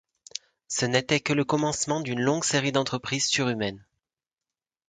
Ce n’était que le commencement d’une longue série d’entreprises surhumaines.